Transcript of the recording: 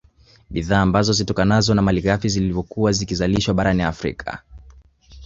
Bidhaa ambazo zitokanazo na malighafi ziliyokuwa zikizalishwa barani Afrika